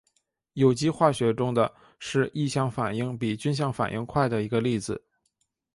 有机化学中的是异相反应比均相反应快的一个例子。